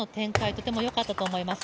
とてもよかったと思います。